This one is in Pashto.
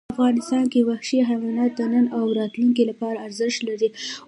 افغانستان کې وحشي حیوانات د نن او راتلونکي لپاره ارزښت لري.